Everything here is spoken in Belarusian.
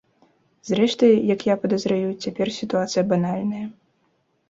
Зрэшты, як я падазраю, цяпер сітуацыя банальная.